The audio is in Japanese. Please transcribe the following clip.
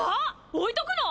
置いとくの！？